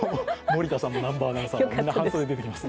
森田さんも南波アナウンサーも半袖です。